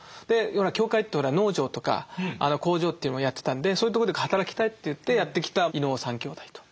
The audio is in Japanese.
教会って農場とか工場というのもやってたんでそういうとこで働きたいといってやって来た伊能三兄弟と。